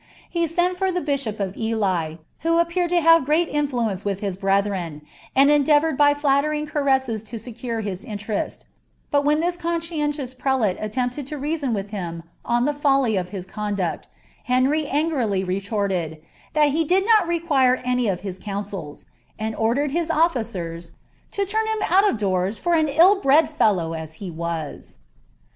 He sent for the bishop of Ely, who appeared to have great influence with his brethren, and endeavoured by flattering caresses to secore his interest; but when that conscientious prelate attempted to reason with him on the folly of his conduct, Henry angrily retorted, *^ that be did not require any of liis counsels,'' and order^ his officers ^ to torn him out of doors for an ill bred fellow as he was."